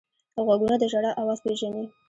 غوږونه د ژړا اواز پېژني